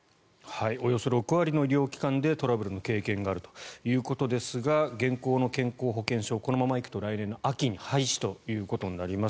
およそ６割の医療機関でトラブルの経験があるということですが現行の健康保険証このままいくと来年の秋に廃止ということになります。